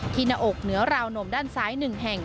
ที่หน้าอกเหนือราวนมด้านซ้ายหนึ่งแห่ง